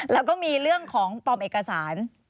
แล้วก็มีเรื่องของปลอมเอกสาร